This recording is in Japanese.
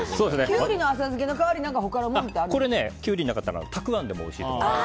キュウリの浅漬けの代わりにキュウリがなかったらたくあんでもおいしいと思います。